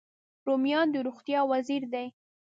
رومیان د روغتیا وزیر دی